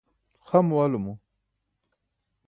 xa muwalumo